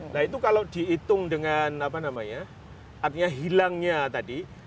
nah itu kalau dihitung dengan artinya hilangnya tadi